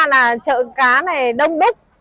là chợ cá này đông bích